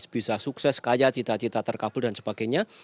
bisa sukses kaya cita cita terkabul dan sebagainya